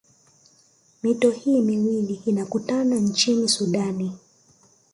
Mito hii miwili inakutana nchini sudani